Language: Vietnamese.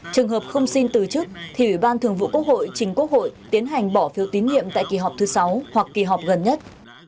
trường hợp không xin từ chức thì ủy ban thường vụ quốc hội chính quốc hội tiến hành bỏ phiếu tín nhiệm tại kỳ họp thứ sáu hoặc kỳ họp gần nhất